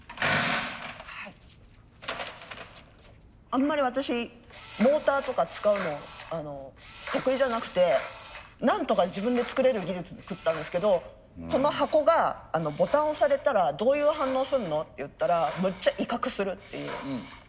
あんまり私モーターとか使うの得意じゃなくてなんとか自分で作れる技術で作ったんですけどこの箱がボタンを押されたらどういう反応するのっていったらむっちゃ威嚇するっていう。